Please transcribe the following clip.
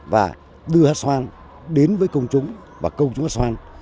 và đưa hát xoan đến với công chúng và công chúng hát xoan